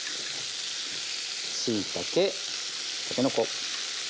しいたけたけのこ。